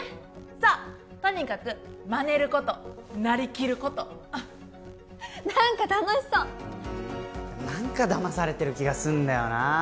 そうとにかくマネることなりきること何か楽しそうふん何かだまされてる気がすんだよなあ